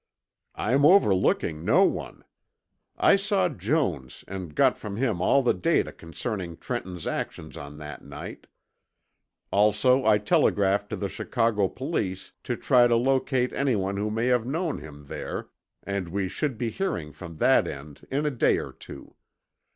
"I'm overlooking no one. I saw Jones and got from him all the data concerning Trenton's actions on that night. Also I telegraphed to the Chicago police to try to locate anyone who may have known him there and we should be hearing from that end in a day or two.